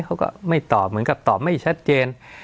เขาก็ไม่ตอบเหมือนกับตอบไม่ชัดเจน